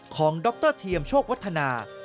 ดรเทียมโชควัฒนา